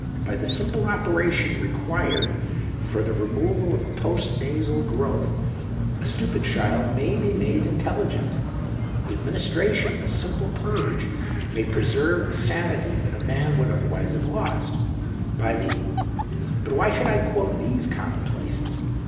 " By the simple operation required for the removal of a post nasal growth, a stupid child J 04 THE OCTAVE OF CLAUDIUS. may be made intelligent ; the administration of a simple purge may preserve tlie sanity that a man would otherwise have lost ; by the — but why should I quote these common places?